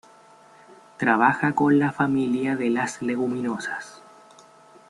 Trabaja con la familia de las leguminosas.